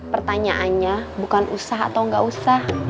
pertanyaannya bukan usah atau gak usah